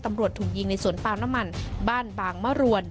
ถูกยิงในสวนปาล์มน้ำมันบ้านบางมะรวน